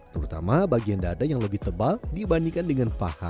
terutama bagian dada yang lebih tebal dibandingkan dengan paha